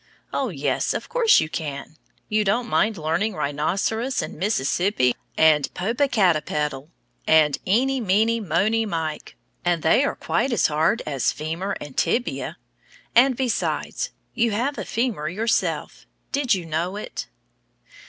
Oh, yes, of course you can. You don't mind learning "rhinoceros," and "Mississippi," and "Popocatepetl," and "eenie, meenie, monie mike," and they are quite as hard as femur and tibia; and, besides, you have a femur yourself! Did you know it?